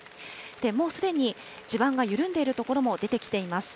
もうすでに地盤が緩んでいる所も出てきています。